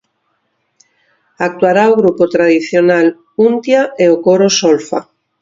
Actuará o grupo tradicional Untia e o coro Solfa.